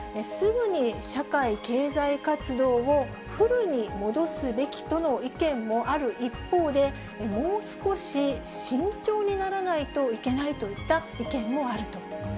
すぐに社会経済活動をフルに戻すべきとの意見もある一方で、もう少し慎重にならないといけないといった意見もあると。